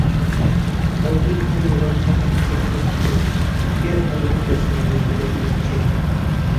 ئالتۇن ھەل يالاتساڭ كېسەكتۇر كېسەك، گەر ھالۋا بەرسەڭمۇ تېزەكلەر ئېشەك.